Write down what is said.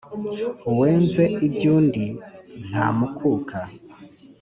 Uwenze iby'undi ntamukuka